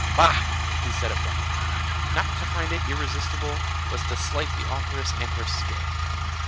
"Bah!" he said abruptly, "not to find it irresistible was to slight the authoress and her skill."